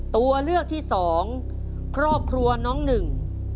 ตัวเลือกที่สองครอบครัวน้องหนึ่ง